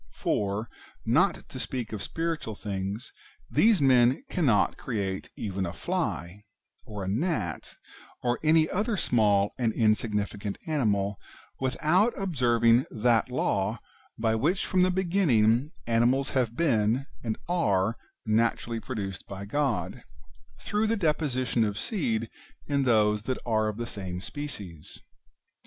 For, not to speak of spiritual things, these men cannot create even a fly, or a gnat, or any other small and insignificant animal, without observing that law by which from the beginning animals have been and are naturally produced by God — through the deposition of seed in those that are of the same species.